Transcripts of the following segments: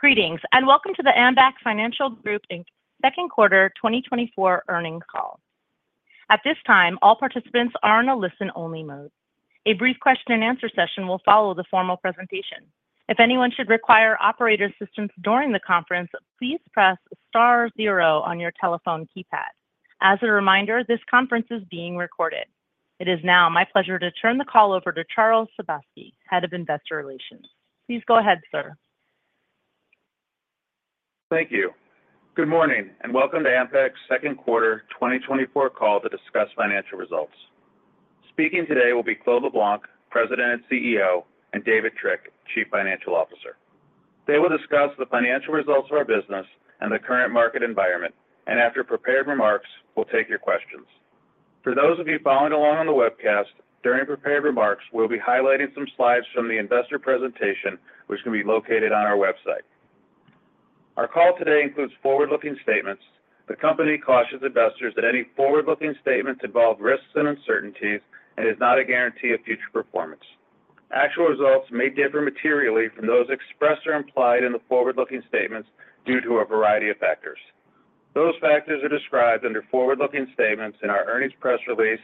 Greetings, and welcome to the Ambac Financial Group's second quarter 2024 earnings call. At this time, all participants are in a listen-only mode. A brief question-and-answer session will follow the formal presentation. If anyone should require operator assistance during the conference, please press star zero on your telephone keypad. As a reminder, this conference is being recorded. It is now my pleasure to turn the call over to Charles Sebaski, Head of Investor Relations. Please go ahead, sir. Thank you. Good morning, and welcome to Ambac's second quarter 2024 call to discuss financial results. Speaking today will be Claude LeBlanc, President and CEO, and David Trick, Chief Financial Officer. They will discuss the financial results of our business and the current market environment, and after prepared remarks, we'll take your questions. For those of you following along on the webcast, during prepared remarks, we'll be highlighting some slides from the investor presentation, which can be located on our website. Our call today includes forward-looking statements. The company cautions investors that any forward-looking statements involve risks and uncertainties and is not a guarantee of future performance. Actual results may differ materially from those expressed or implied in the forward-looking statements due to a variety of factors. Those factors are described under forward-looking statements in our earnings press release,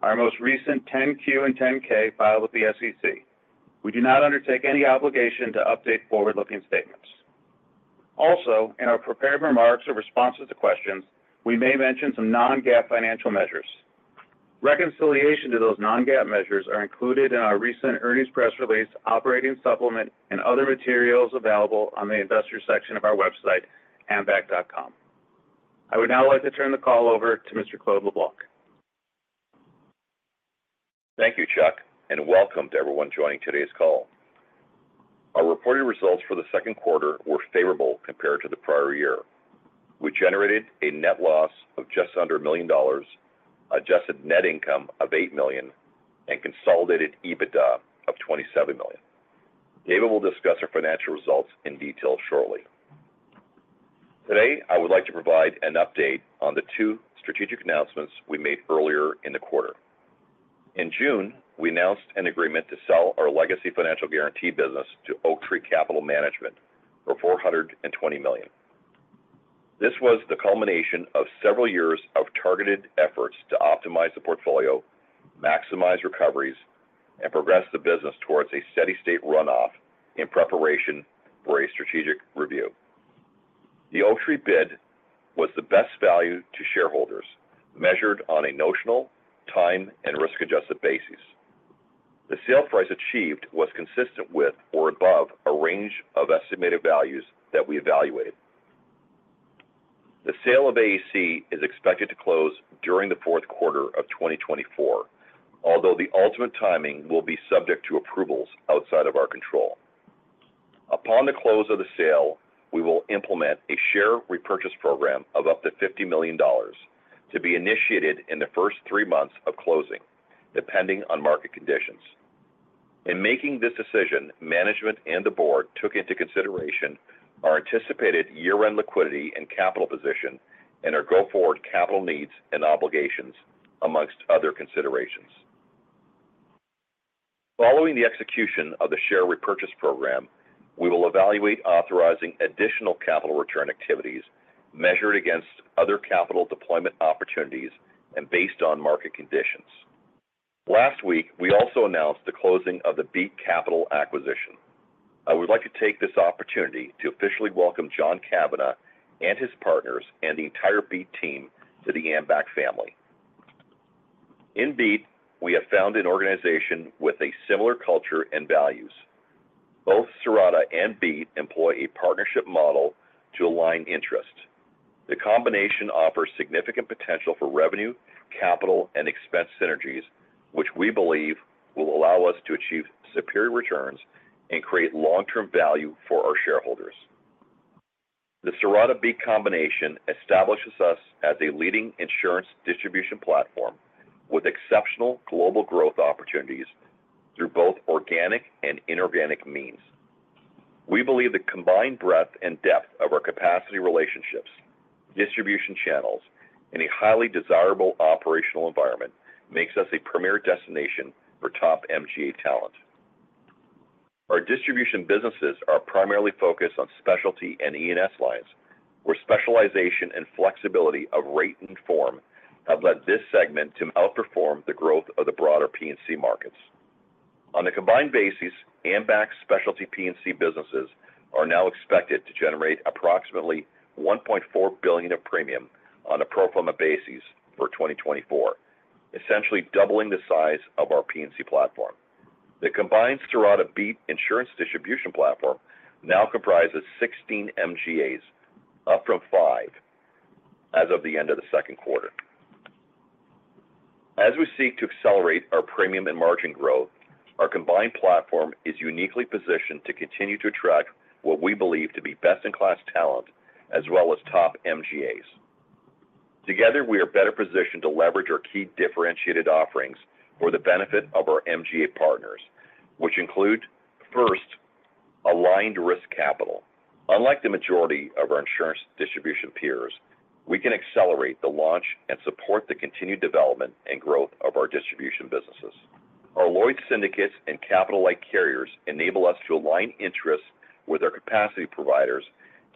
our most recent 10-Q and 10-K filed with the SEC. We do not undertake any obligation to update forward-looking statements. Also, in our prepared remarks or responses to questions, we may mention some non-GAAP financial measures. Reconciliation to those non-GAAP measures is included in our recent earnings press release, operating supplement, and other materials available on the investor section of our website, ambac.com. I would now like to turn the call over to Mr. Claude LeBlanc. Thank you, Chuck, and welcome to everyone joining today's call. Our reported results for the second quarter were favorable compared to the prior year. We generated a net loss of just under $1 million, adjusted net income of $8 million, and consolidated EBITDA of $27 million. David will discuss our financial results in detail shortly. Today, I would like to provide an update on the two strategic announcements we made earlier in the quarter. In June, we announced an agreement to sell our legacy financial guarantee business to Oaktree Capital Management for $420 million. This was the culmination of several years of targeted efforts to optimize the portfolio, maximize recoveries, and progress the business towards a steady-state run-off in preparation for a strategic review. The Oaktree bid was the best value to shareholders, measured on a notional, time, and risk-adjusted basis. The sale price achieved was consistent with or above a range of estimated values that we evaluated. The sale of AAC is expected to close during the fourth quarter of 2024, although the ultimate timing will be subject to approvals outside of our control. Upon the close of the sale, we will implement a share repurchase program of up to $50 million to be initiated in the first three months of closing, depending on market conditions. In making this decision, management and the board took into consideration our anticipated year-end liquidity and capital position and our go forward capital needs and obligations, among other considerations. Following the execution of the share repurchase program, we will evaluate authorizing additional capital return activities measured against other capital deployment opportunities and based on market conditions. Last week, we also announced the closing of the Beat Capital acquisition. I would like to take this opportunity to officially welcome John Cavanagh and his partners and the entire Beat team to the Ambac family. In Beat, we have found an organization with a similar culture and values. Both Cirrata and Beat employ a partnership model to align interests. The combination offers significant potential for revenue, capital, and expense synergies, which we believe will allow us to achieve superior returns and create long-term value for our shareholders. The Cirrata-Beat combination establishes us as a leading insurance distribution platform with exceptional global growth opportunities through both organic and inorganic means. We believe the combined breadth and depth of our capacity relationships, distribution channels, and a highly desirable operational environment makes us a premier destination for top MGA talent. Our distribution businesses are primarily focused on specialty and E&S lines, where specialization and flexibility of rate and form have led this segment to outperform the growth of the broader P&C markets. On a combined basis, Ambac's specialty P&C businesses are now expected to generate approximately $1.4 billion of premium on a pro forma basis for 2024, essentially doubling the size of our P&C platform. The combined Cirrata-Beat insurance distribution platform now comprises 16 MGAs, up from five as of the end of the second quarter. As we seek to accelerate our premium and margin growth, our combined platform is uniquely positioned to continue to attract what we believe to be best-in-class talent as well as top MGAs. Together, we are better positioned to leverage our key differentiated offerings for the benefit of our MGA partners, which include, first, aligned risk capital. Unlike the majority of our insurance distribution peers, we can accelerate the launch and support the continued development and growth of our distribution businesses. Our Lloyd's syndicates and capital-like carriers enable us to align interests with our capacity providers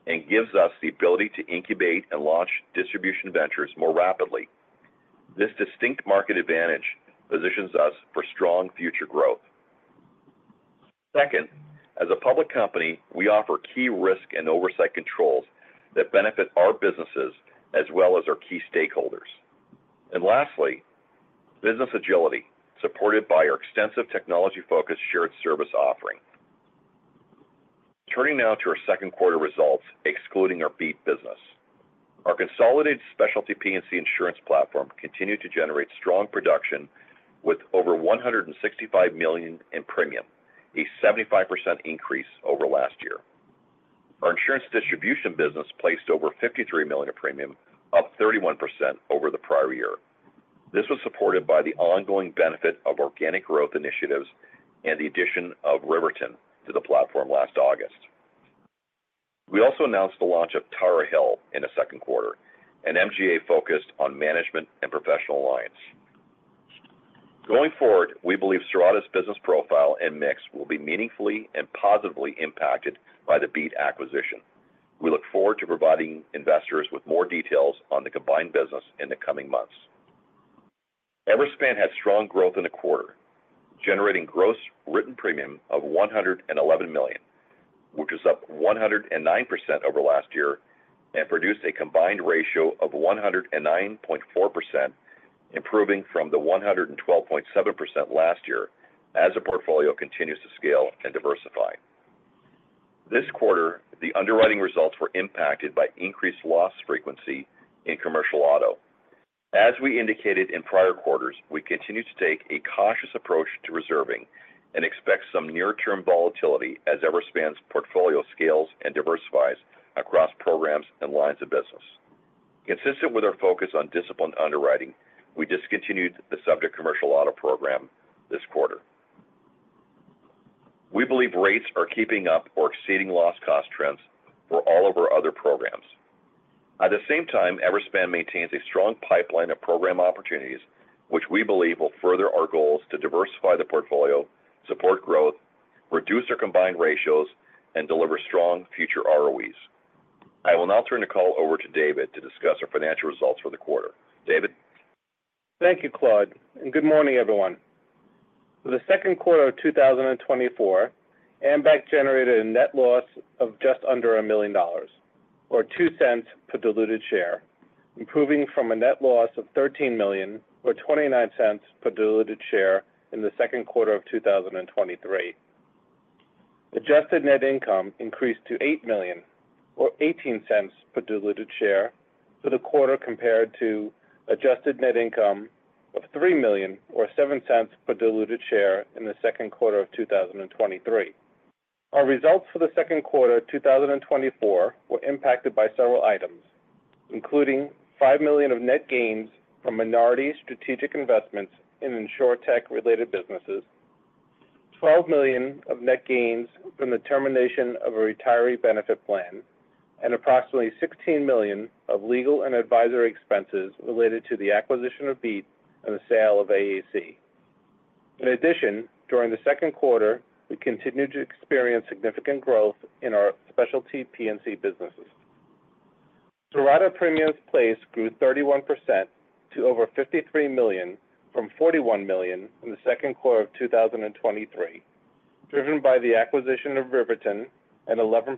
and give us the ability to incubate and launch distribution ventures more rapidly. This distinct market advantage positions us for strong future growth. Second, as a public company, we offer key risk and oversight controls that benefit our businesses as well as our key stakeholders. And lastly, business agility, supported by our extensive technology-focused shared service offering. Turning now to our second quarter results, excluding our Beat business. Our consolidated specialty P&C insurance platform continued to generate strong production with over $165 million in premium, a 75% increase over last year. Our insurance distribution business placed over $53 million of premium, up 31% over the prior year. This was supported by the ongoing benefit of organic growth initiatives and the addition of Riverton to the platform last August. We also announced the launch of Tara Hill in the second quarter, an MGA focused on management and professional liability. Going forward, we believe Cirrata's business profile and mix will be meaningfully and positively impacted by the Beat acquisition. We look forward to providing investors with more details on the combined business in the coming months. Everspan had strong growth in the quarter, generating gross written premium of $111 million, which was up 109% over last year, and produced a combined ratio of 109.4%, improving from the 112.7% last year as the portfolio continues to scale and diversify. This quarter, the underwriting results were impacted by increased loss frequency in commercial auto. As we indicated in prior quarters, we continue to take a cautious approach to reserving and expect some near-term volatility as Everspan's portfolio scales and diversifies across programs and lines of business. Consistent with our focus on disciplined underwriting, we discontinued the subject commercial auto program this quarter. We believe rates are keeping up or exceeding loss-cost trends for all of our other programs. At the same time, Everspan maintains a strong pipeline of program opportunities, which we believe will further our goals to diversify the portfolio, support growth, reduce our combined ratios, and deliver strong future ROEs. I will now turn the call over to David to discuss our financial results for the quarter. David. Thank you, Claude. And good morning, everyone. For the second quarter of 2024, Ambac generated a net loss of just under $1 million, or $0.02 per diluted share, improving from a net loss of $13 million, or $0.29 per diluted share in the second quarter of 2023. Adjusted net income increased to $8 million, or $0.18 per diluted share for the quarter compared to adjusted net income of $3 million, or $0.07 per diluted share in the second quarter of 2023. Our results for the second quarter of 2024 were impacted by several items, including $5 million of net gains from minority strategic investments in insurtech-related businesses, $12 million of net gains from the termination of a retiree benefit plan, and approximately $16 million of legal and advisory expenses related to the acquisition of Beat and the sale of AAC. In addition, during the second quarter, we continued to experience significant growth in our specialty P&C businesses. Cirrata premiums placed grew 31% to over $53 million from $41 million in the second quarter of 2023, driven by the acquisition of Riverton and 11%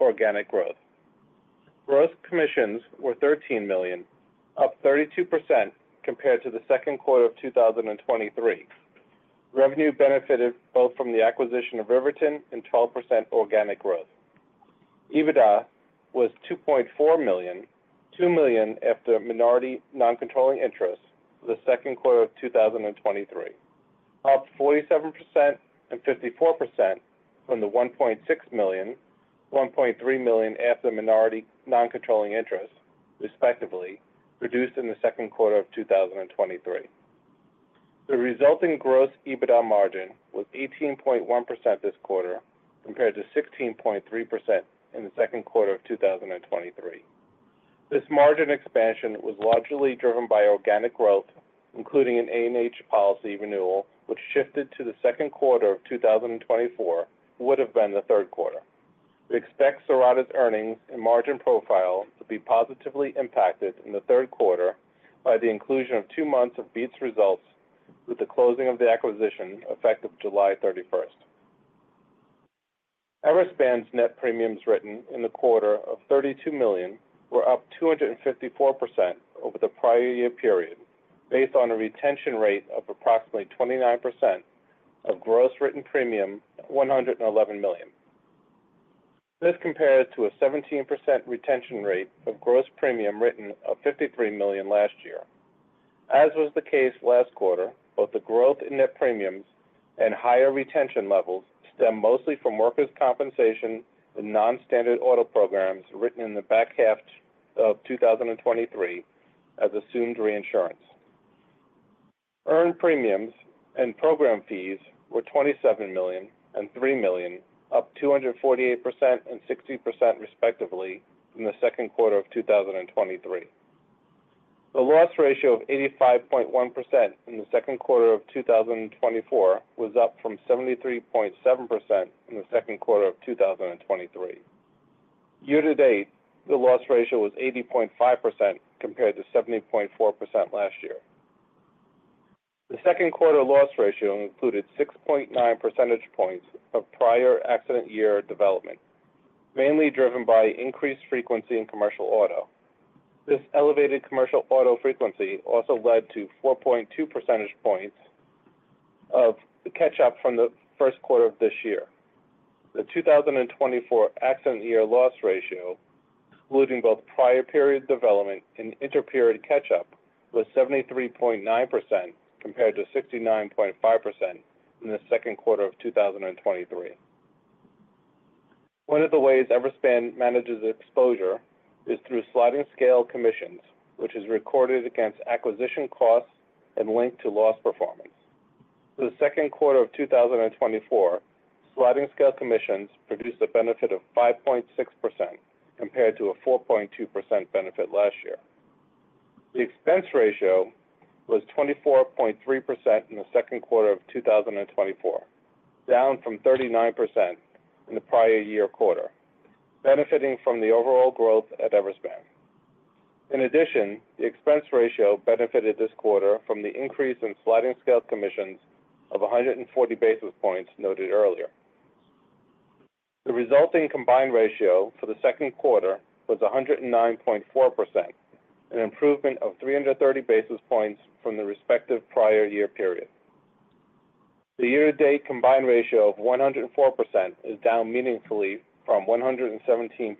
organic growth. Gross commissions were $13 million, up 32% compared to the second quarter of 2023. Revenue benefited both from the acquisition of Riverton and 12% organic growth. EBITDA was $2.4 million, $2 million after minority non-controlling interest for the second quarter of 2023, up 47% and 54% from the $1.6 million, $1.3 million after minority non-controlling interest, respectively, produced in the second quarter of 2023. The resulting gross EBITDA margin was 18.1% this quarter compared to 16.3% in the second quarter of 2023. This margin expansion was largely driven by organic growth, including an A&H policy renewal, which shifted to the second quarter of 2024. Would have been the third quarter. We expect Cirrata's earnings and margin profile to be positively impacted in the third quarter by the inclusion of two months of Beat's results with the closing of the acquisition effective July 31st. Everspan's net premiums written in the quarter of $32 million were up 254% over the prior year period, based on a retention rate of approximately 29% of gross written premium, $111 million. This compared to a 17% retention rate of gross premium written of $53 million last year. As was the case last quarter, both the growth in net premiums and higher retention levels stem mostly from workers' compensation and non-standard auto programs written in the back half of 2023 as assumed reinsurance. Earned premiums and program fees were $27 million and $3 million, up 248% and 60% respectively in the second quarter of 2023. The loss ratio of 85.1% in the second quarter of 2024 was up from 73.7% in the second quarter of 2023. Year-to-date, the loss ratio was 80.5% compared to 70.4% last year. The second quarter loss ratio included 6.9 percentage points of prior accident year development, mainly driven by increased frequency in commercial auto. This elevated commercial auto frequency also led to 4.2 percentage points of catch-up from the first quarter of this year. The 2024 accident year loss ratio, including both prior period development and inter-period catch-up, was 73.9% compared to 69.5% in the second quarter of 2023. One of the ways Everspan manages exposure is through sliding scale commissions, which is recorded against acquisition costs and linked to loss performance. For the second quarter of 2024, sliding scale commissions produced a benefit of 5.6% compared to a 4.2% benefit last year. The expense ratio was 24.3% in the second quarter of 2024, down from 39% in the prior year quarter, benefiting from the overall growth at Everspan. In addition, the expense ratio benefited this quarter from the increase in sliding scale commissions of 140 basis points noted earlier. The resulting combined ratio for the second quarter was 109.4%, an improvement of 330 basis points from the respective prior year period. The year-to-date combined ratio of 104% is down meaningfully from 117.1%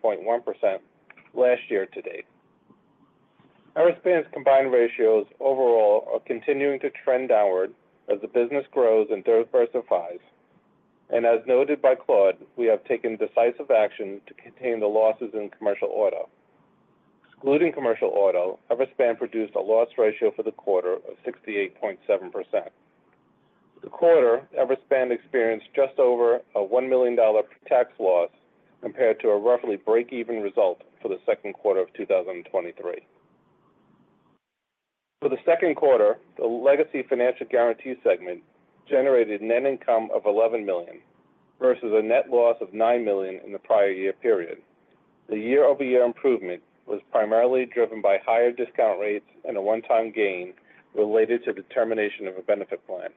last year-to-date. Everspan's combined ratios overall are continuing to trend downward as the business grows and diversifies. And as noted by Claude, we have taken decisive action to contain the losses in commercial auto. Excluding commercial auto, Everspan produced a loss ratio for the quarter of 68.7%. For the quarter, Everspan experienced just over a $1 million tax loss compared to a roughly break-even result for the second quarter of 2023. For the second quarter, the legacy financial guarantee segment generated net income of $11 million versus a net loss of $9 million in the prior year period. The year-over-year improvement was primarily driven by higher discount rates and a one-time gain related to the termination of a benefit plan.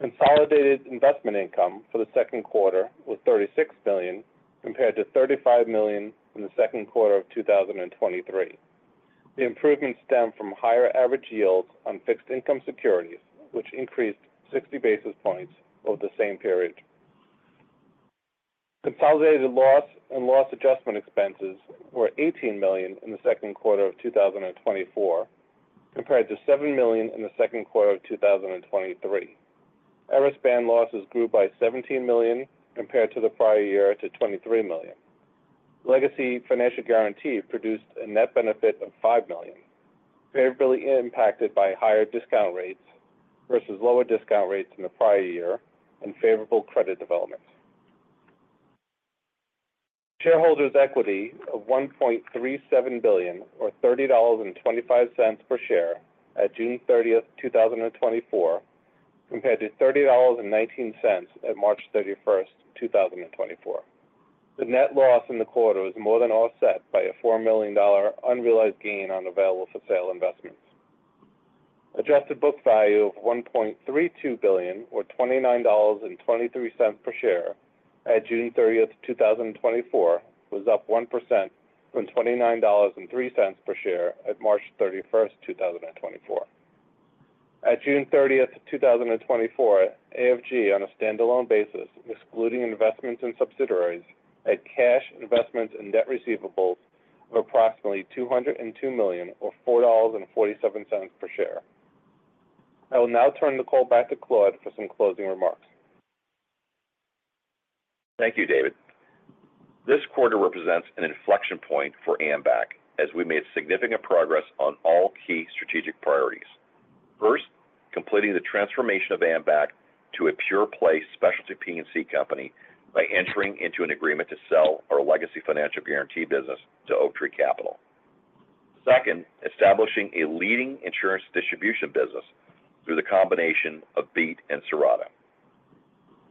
Consolidated investment income for the second quarter was $36 million compared to $35 million in the second quarter of 2023. The improvement stemmed from higher average yields on fixed income securities, which increased 60 basis points over the same period. Consolidated loss and loss adjustment expenses were $18 million in the second quarter of 2024 compared to $7 million in the second quarter of 2023. Everspan losses grew by $17 million compared to the prior year to $23 million. Legacy financial guarantee produced a net benefit of $5 million, favorably impacted by higher discount rates versus lower discount rates in the prior year and favorable credit development. Shareholders' equity of $1.37 billion, or $30.25 per share at June 30th, 2024, compared to $30.19 at March 31st, 2024. The net loss in the quarter was more than offset by a $4 million unrealized gain on available for sale investments. Adjusted book value of $1.32 billion, or $29.23 per share at June 30th, 2024, was up 1% from $29.03 per share at March 31st, 2024. At June 30th, 2024, AFG on a standalone basis, excluding investments and subsidiaries, had cash investments and net receivables of approximately $202 million, or $4.47 per share. I will now turn the call back to Claude for some closing remarks. Thank you, David. This quarter represents an inflection point for Ambac as we made significant progress on all key strategic priorities. First, completing the transformation of Ambac to a pure-play specialty P&C company by entering into an agreement to sell our legacy financial guarantee business to Oaktree Capital. Second, establishing a leading insurance distribution business through the combination of Beat and Cirrata.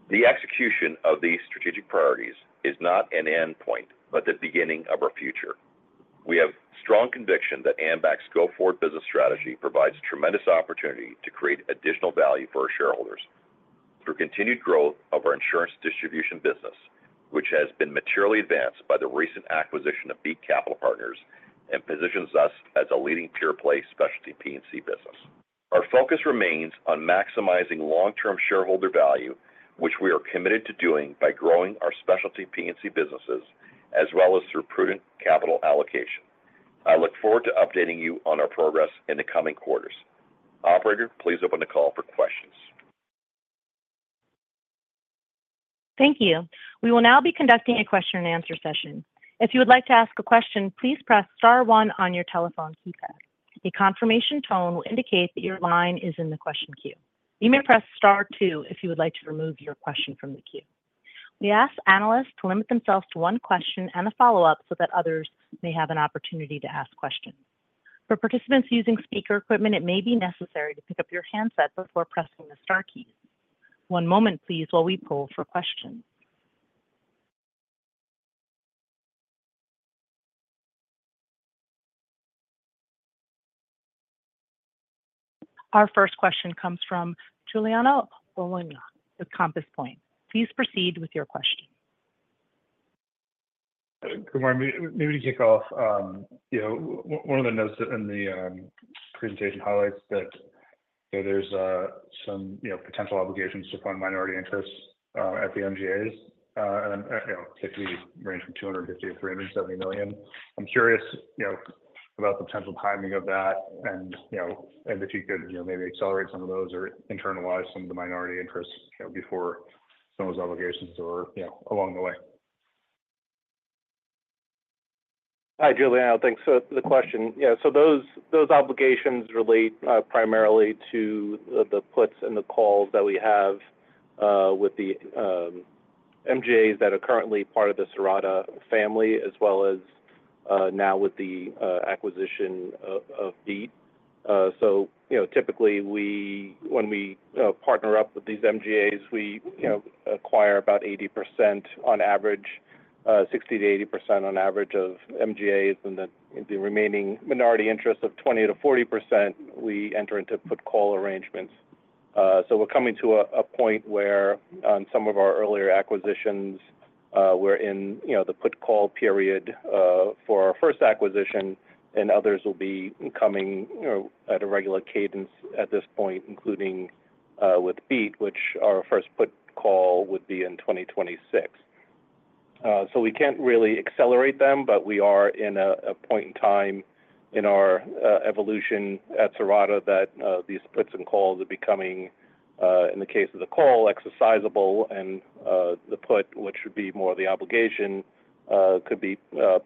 The execution of these strategic priorities is not an endpoint, but the beginning of our future. We have strong conviction that Ambac's go-forward business strategy provides tremendous opportunity to create additional value for our shareholders through continued growth of our insurance distribution business, which has been materially advanced by the recent acquisition of Beat Capital Partners and positions us as a leading pure-play specialty P&C business. Our focus remains on maximizing long-term shareholder value, which we are committed to doing by growing our specialty P&C businesses as well as through prudent capital allocation. I look forward to updating you on our progress in the coming quarters. Operator, please open the call for questions. Thank you. We will now be conducting a question-and-answer session. If you would like to ask a question, please press star one on your telephone keypad. A confirmation tone will indicate that your line is in the question queue. You may press star two if you would like to remove your question from the queue. We ask analysts to limit themselves to one question and a follow-up so that others may have an opportunity to ask questions. For participants using speaker equipment, it may be necessary to pick up your handset before pressing the star key. One moment, please, while we pull for questions. Our first question comes from Giuliano Bologna with Compass Point. Please proceed with your question. Good morning. Maybe to kick off, one of the notes in the presentation highlights that there's some potential obligations to fund minority interests at the MGAs, and they typically range from $250 million-$370 million. I'm curious about the potential timing of that and if you could maybe accelerate some of those or internalize some of the minority interests before some of those obligations are along the way. Hi, Giuliano. Thanks for the question. So those obligations relate primarily to the puts and the calls that we have with the MGAs that are currently part of the Cirrata family, as well as now with the acquisition of Beat. So typically, when we partner up with these MGAs, we acquire about 80% on average, 60%-80% on average of MGAs, and the remaining minority interest of 20%-40%, we enter into put-call arrangements. So we're coming to a point where on some of our earlier acquisitions, we're in the put-call period for our first acquisition, and others will be coming at a regular cadence at this point, including with Beat, which our first put-call would be in 2026. So we can't really accelerate them, but we are in a point in time in our evolution at Cirrata that these puts and calls are becoming, in the case of the call, exercisable, and the put, which would be more of the obligation, could be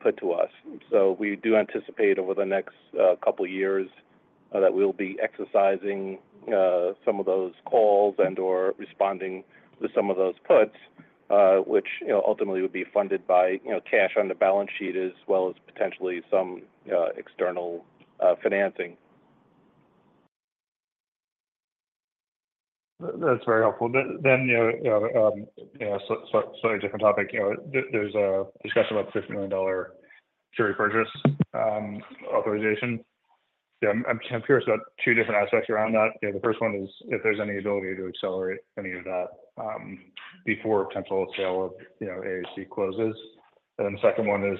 put to us. So we do anticipate over the next couple of years that we'll be exercising some of those calls and/or responding to some of those puts, which ultimately would be funded by cash on the balance sheet as well as potentially some external financing. That's very helpful. Then, slightly different topic, there's a discussion about the $50 million share repurchase authorization. I'm curious about two different aspects around that. The first one is if there's any ability to accelerate any of that before potential sale of AAC closes. And then the second one is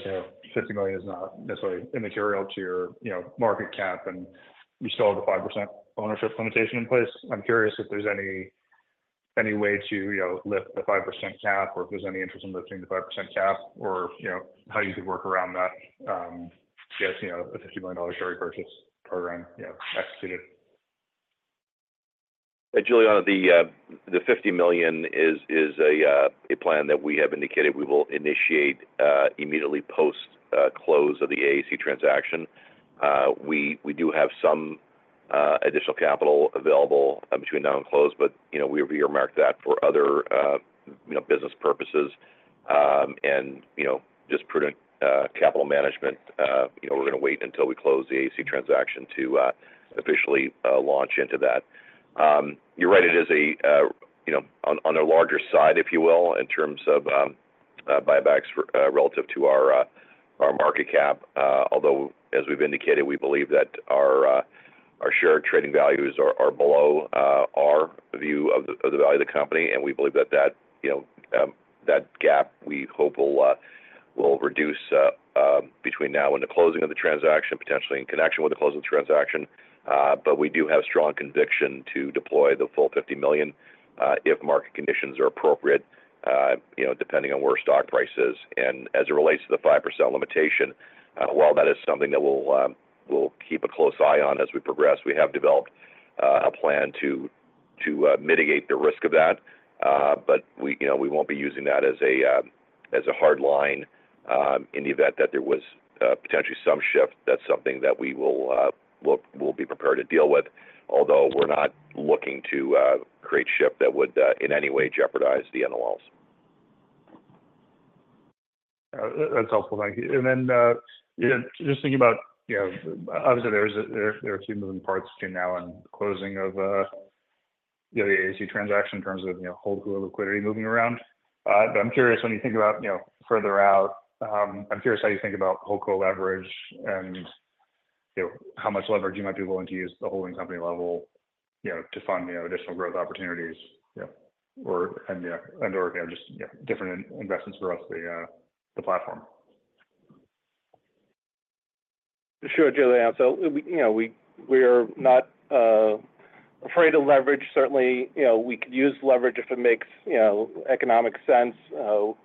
$50 million is not necessarily immaterial to your market cap, and you still have the 5% ownership limitation in place. I'm curious if there's any way to lift the 5% cap or if there's any interest in lifting the 5% cap or how you could work around that, get a $50 million share repurchase program executed. Giuliano, the $50 million is a plan that we have indicated we will initiate immediately post-close of the AAC transaction. We do have some additional capital available between now and close, but we earmarked that for other business purposes and just prudent capital management. We're going to wait until we close the AAC transaction to officially launch into that. You're right, it is on the larger side, if you will, in terms of buybacks relative to our market cap. Although, as we've indicated, we believe that our share trading values are below our view of the value of the company, and we believe that that gap we hope will reduce between now and the closing of the transaction, potentially in connection with the closing of the transaction. But we do have strong conviction to deploy the full $50 million if market conditions are appropriate, depending on where stock price is. As it relates to the 5% limitation, while that is something that we'll keep a close eye on as we progress, we have developed a plan to mitigate the risk of that, but we won't be using that as a hard line in the event that there was potentially some shift. That's something that we will be prepared to deal with, although we're not looking to create shift that would in any way jeopardize the NOLs. That's helpful. Thank you. And then just thinking about, obviously, there are a few moving parts between now and closing of the AAC transaction in terms of whole pool liquidity moving around. But I'm curious, when you think about further out, I'm curious how you think about whole pool leverage and how much leverage you might be willing to use at the holding company level to fund additional growth opportunities and/or different investments across the platform. Sure, Giuliano. So we are not afraid of leverage. Certainly, we could use leverage if it makes economic sense. We're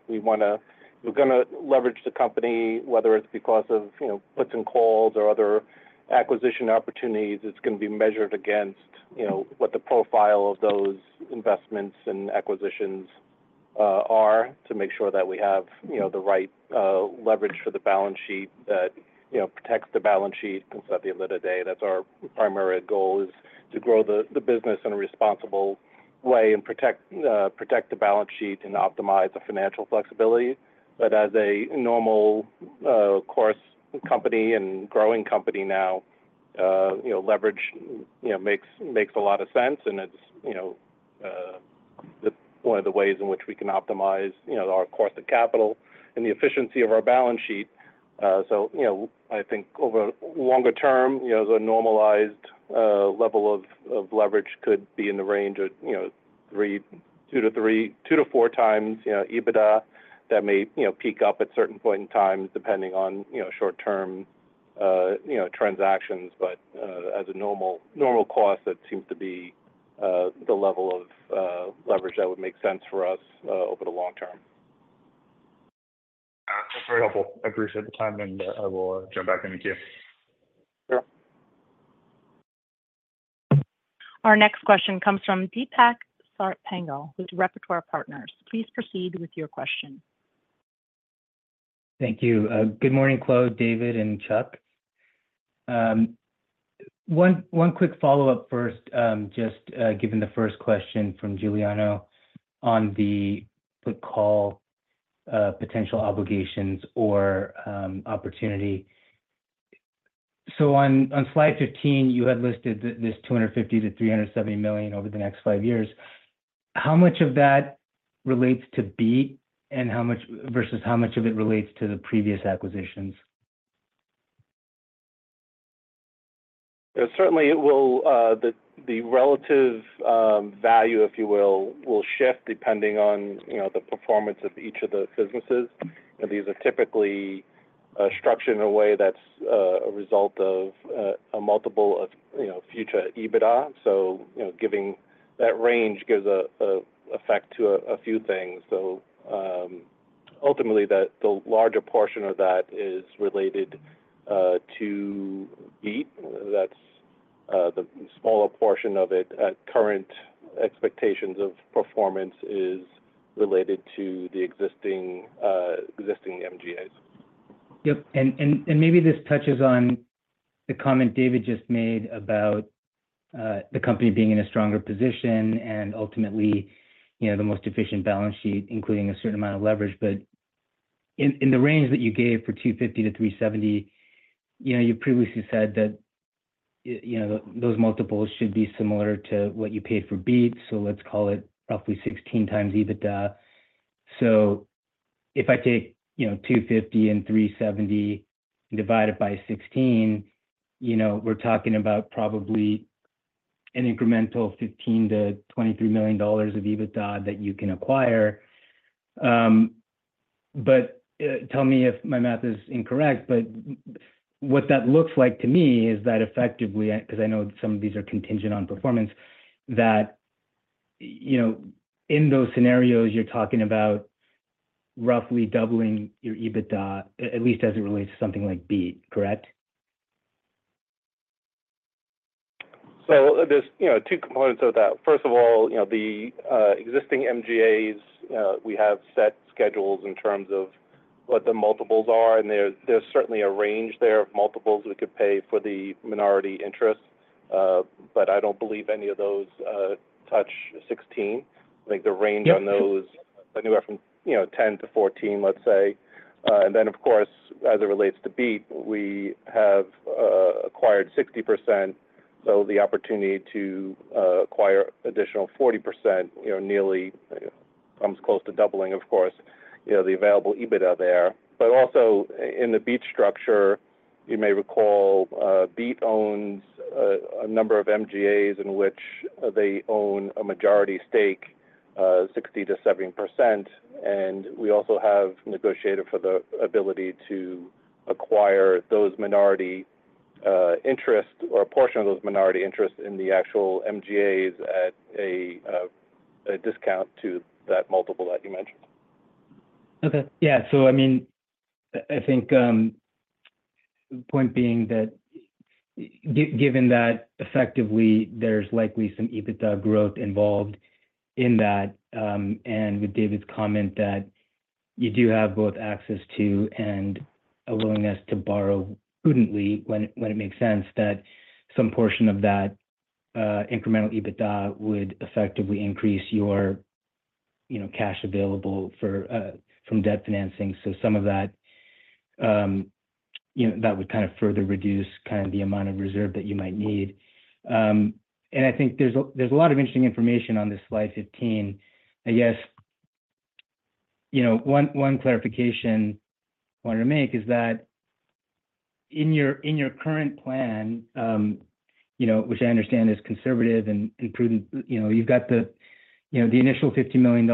going to leverage the company, whether it's because of puts and calls or other acquisition opportunities. It's going to be measured against what the profile of those investments and acquisitions are to make sure that we have the right leverage for the balance sheet that protects the balance sheet consecutively today. That's our primary goal, is to grow the business in a responsible way and protect the balance sheet and optimize the financial flexibility. But as a normal course company and growing company now, leverage makes a lot of sense, and it's one of the ways in which we can optimize our cost of capital and the efficiency of our balance sheet. So I think over a longer term, the normalized level of leverage could be in the range of 2x-4x EBITDA. That may peak up at a certain point in time, depending on short-term transactions. But as a normal cost, that seems to be the level of leverage that would make sense for us over the long term. That's very helpful. I appreciate the time, and I will jump back into Q. Sure. Our next question comes from Deepak Sarpangal with Repertoire Partners. Please proceed with your question. Thank you. Good morning, Claude, David, and Chuck. One quick follow-up first, just given the first question from Giuliano on the put-call potential obligations or opportunity. So on slide 15, you had listed this $250 million-$370 million over the next five years. How much of that relates to Beat versus how much of it relates to the previous acquisitions? Certainly, the relative value, if you will, will shift depending on the performance of each of the businesses. These are typically structured in a way that's a result of a multiple of future EBITDA. So giving that range gives an effect to a few things. So ultimately, the larger portion of that is related to Beat. That's the smaller portion of it at current expectations of performance is related to the existing MGAs. Yep. And maybe this touches on the comment David just made about the company being in a stronger position and ultimately the most efficient balance sheet, including a certain amount of leverage. But in the range that you gave for $250 million-$370 million, you previously said that those multiples should be similar to what you paid for Beat. So let's call it roughly 16x EBITDA. So if I take $250 million and $370 million and divide it by 16, we're talking about probably an incremental $15 million-$23 million of EBITDA that you can acquire. But tell me if my math is incorrect, but what that looks like to me is that effectively, because I know some of these are contingent on performance, that in those scenarios, you're talking about roughly doubling your EBITDA, at least as it relates to something like Beat, correct? So there's two components of that. First of all, the existing MGAs, we have set schedules in terms of what the multiples are, and there's certainly a range there of multiples we could pay for the minority interests. But I don't believe any of those touch 16. I think the range on those anywhere from 10-14, let's say. And then, of course, as it relates to Beat, we have acquired 60%, so the opportunity to acquire additional 40% nearly comes close to doubling, of course, the available EBITDA there. But also in the Beat structure, you may recall Beat owns a number of MGAs in which they own a majority stake, 60%-70%. And we also have negotiated for the ability to acquire those minority interests or a portion of those minority interests in the actual MGAs at a discount to that multiple that you mentioned. Okay. Yeah. So I mean, I think point being that given that effectively there's likely some EBITDA growth involved in that, and with David's comment that you do have both access to and a willingness to borrow prudently when it makes sense that some portion of that incremental EBITDA would effectively increase your cash available from debt financing. So some of that, that would kind of further reduce kind of the amount of reserve that you might need. And I think there's a lot of interesting information on this slide 15. I guess one clarification I wanted to make is that in your current plan, which I understand is conservative and prudent, you've got the initial $50 million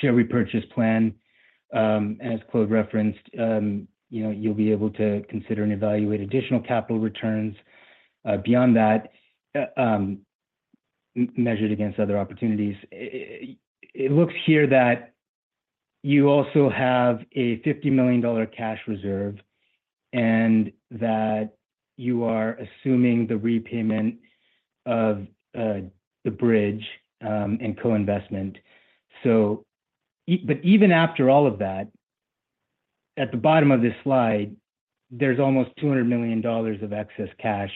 share repurchase plan, as Claude referenced. You'll be able to consider and evaluate additional capital returns beyond that measured against other opportunities. It looks here that you also have a $50 million cash reserve and that you are assuming the repayment of the bridge and co-investment. But even after all of that, at the bottom of this slide, there's almost $200 million of excess cash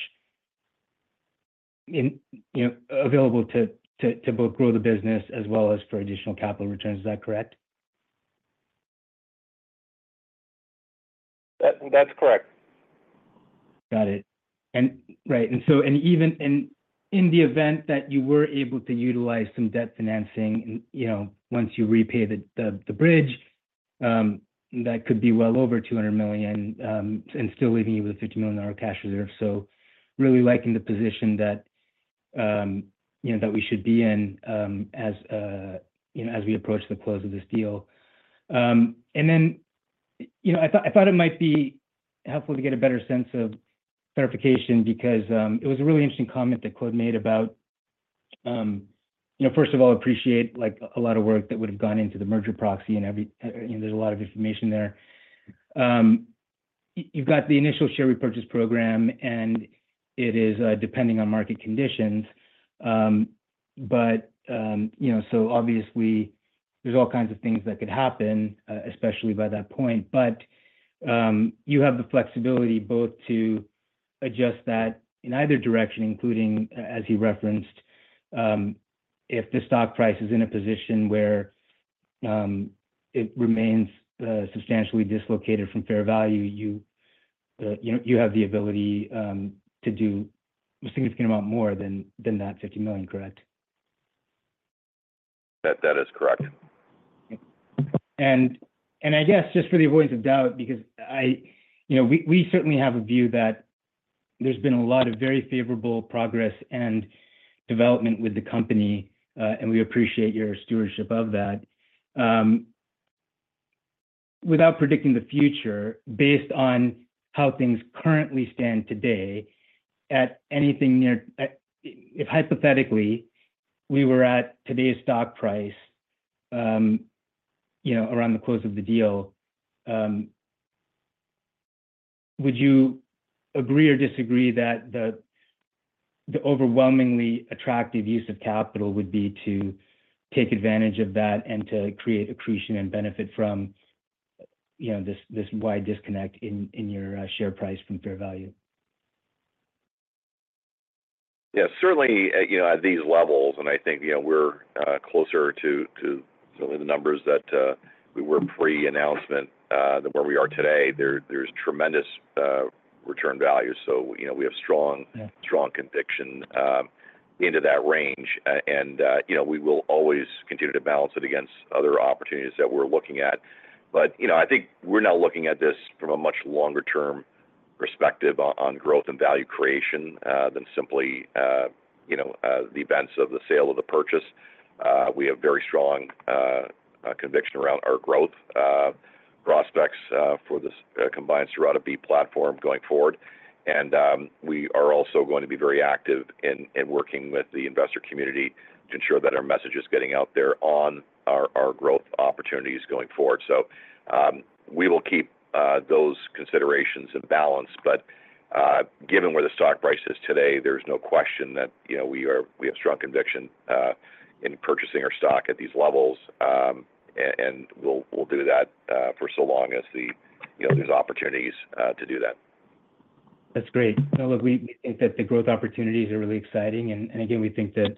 available to both grow the business as well as for additional capital returns. Is that correct? That's correct. Got it. Right. And so in the event that you were able to utilize some debt financing once you repay the bridge, that could be well over $200 million and still leaving you with a $50 million cash reserve. So really liking the position that we should be in as we approach the close of this deal. And then I thought it might be helpful to get a better sense of clarification because it was a really interesting comment that Claude made about, first of all, appreciate a lot of work that would have gone into the merger proxy, and there's a lot of information there. You've got the initial share repurchase program, and it is depending on market conditions. But so obviously, there's all kinds of things that could happen, especially by that point. But you have the flexibility both to adjust that in either direction, including, as he referenced, if the stock price is in a position where it remains substantially dislocated from fair value, you have the ability to do a significant amount more than that $50 million, correct? That is correct. And I guess just for the avoidance of doubt, because we certainly have a view that there's been a lot of very favorable progress and development with the company, and we appreciate your stewardship of that. Without predicting the future, based on how things currently stand today, at anything near, if hypothetically, we were at today's stock price around the close of the deal, would you agree or disagree that the overwhelmingly attractive use of capital would be to take advantage of that and to create accretion and benefit from this wide disconnect in your share price from fair value? Yeah. Certainly, at these levels, and I think we're closer to certainly the numbers that we were pre-announcement than where we are today, there's tremendous return value. So we have strong conviction into that range. And we will always continue to balance it against other opportunities that we're looking at. But I think we're now looking at this from a much longer-term perspective on growth and value creation than simply the events of the sale or the purchase. We have very strong conviction around our growth prospects for this combined Cirrata-Beat platform going forward. And we are also going to be very active in working with the investor community to ensure that our message is getting out there on our growth opportunities going forward. So we will keep those considerations in balance. But given where the stock price is today, there's no question that we have strong conviction in purchasing our stock at these levels, and we'll do that for so long as there's opportunities to do that. That's great. We think that the growth opportunities are really exciting. And again, we think that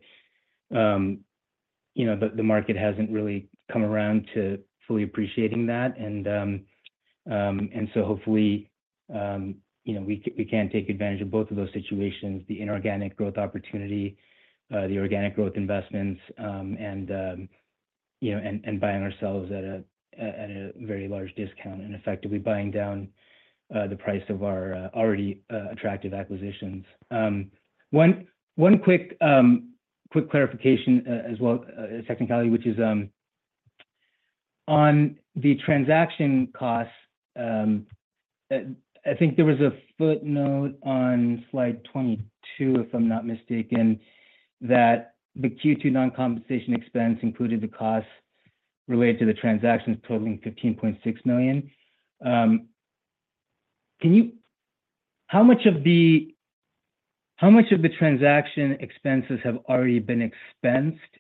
the market hasn't really come around to fully appreciating that. And so hopefully, we can take advantage of both of those situations: the inorganic growth opportunity, the organic growth investments, and buying ourselves at a very large discount and effectively buying down the price of our already attractive acquisitions. One quick clarification as well, technicality, which is on the transaction costs. I think there was a footnote on slide 22, if I'm not mistaken, that the Q2 non-compensation expense included the costs related to the transactions totaling $15.6 million. How much of the transaction expenses have already been expensed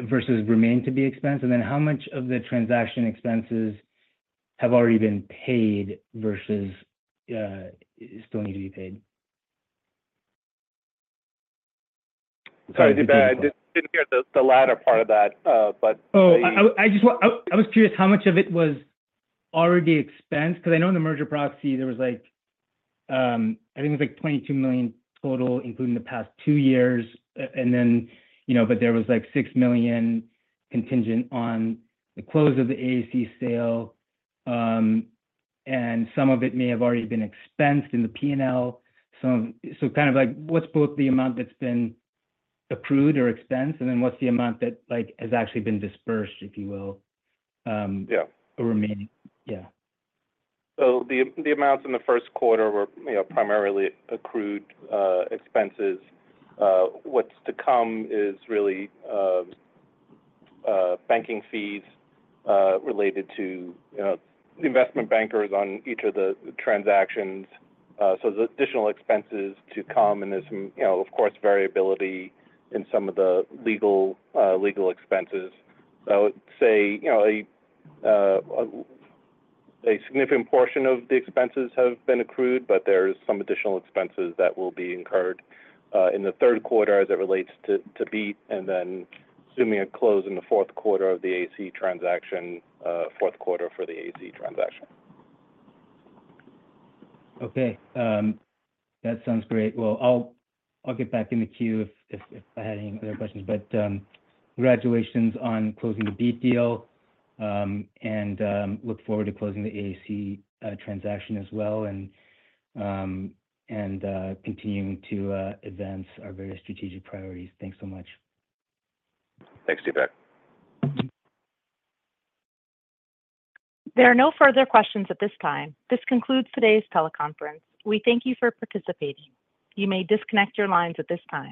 versus remain to be expensed? And then how much of the transaction expenses have already been paid versus still need to be paid? Sorry to be bad. I didn't hear the latter part of that, but. Oh, I was curious how much of it was already expensed because I know in the merger proxy, there was like I think it was like $22 million total, including the past two years. But there was like $6 million contingent on the close of the AAC sale. And some of it may have already been expensed in the P&L. So kind of like what's both the amount that's been accrued or expensed, and then what's the amount that has actually been dispersed, if you will, or remaining? Yeah. So the amounts in the first quarter were primarily accrued expenses. What's to come is really banking fees related to investment bankers on each of the transactions. So there's additional expenses to come, and there's, of course, variability in some of the legal expenses. I would say a significant portion of the expenses have been accrued, but there are some additional expenses that will be incurred in the third quarter as it relates to Beat, and then assuming a close in the fourth quarter of the AAC transaction, fourth quarter for the AAC transaction. Okay. That sounds great. Well, I'll get back in the queue if I had any other questions. But congratulations on closing the Beat deal, and look forward to closing the AAC transaction as well and continuing to advance our various strategic priorities. Thanks so much. Thanks, Deepak. There are no further questions at this time. This concludes today's teleconference. We thank you for participating. You may disconnect your lines at this time.